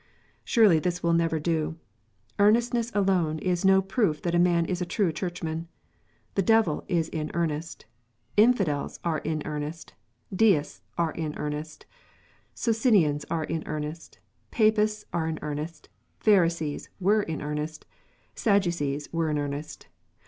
Surely this will never do. Earnestness alone is no proof that a man is a true Churchman. The devil is in earnest. Infidels are in earnest. Deists arc in earnest. Socinians are in earnest. Papists are in earnest. Pharisees were in earnest. Sadducees were in earnest.